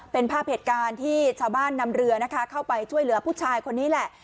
เป็นภาพเหตุการณ์ที่ชาวบ้านนำเรือนะคะเข้าไปช่วยเหลือผู้ชายคนนี้แหละ